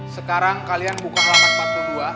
sekarang kalian buka halaman empat puluh dua